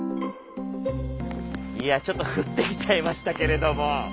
いやちょっと降ってきちゃいましたけれども。